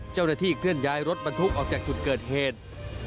เจ้าหน้าที่เคลื่อนย้ายรถบรรทุกออกจากจุดเกิดเหตุ